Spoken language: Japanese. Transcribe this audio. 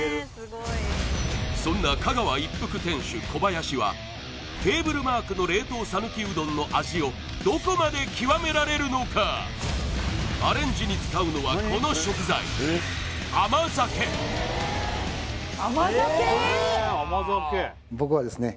そんな香川一福店主小林はテーブルマークの冷凍さぬきうどんの味をどこまで極められるのかアレンジに使うのはこの食材僕はですね